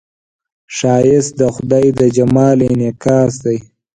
ښایست د خدای د جمال انعکاس دی